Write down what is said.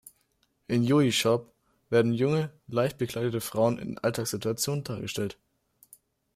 In "Yui Shop" werden junge, leicht bekleidete Frauen in Alltagssituationen dargestellt.